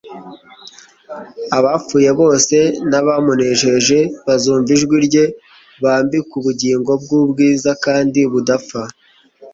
abapfuye bose bamunejeje bazumva ijwi rye bambikwe ubugingo bw'ubwiza kandi budapfa.